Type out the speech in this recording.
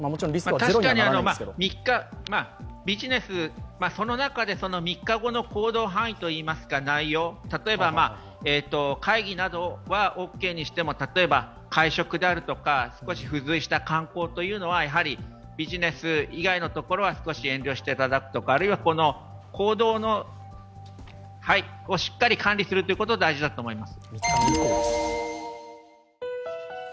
確かにビジネス、その中で３日後の行動範囲といいますか内容、会議などはＯＫにしても例えば会食であるとか、付随した観光というのはビジネス以外のところは少し遠慮していただくとか、あるいは行動をしっかり管理するというのが大事だと思います。